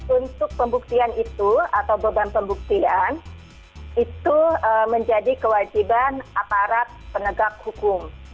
untuk pembuktian itu atau beban pembuktian itu menjadi kewajiban aparat penegak hukum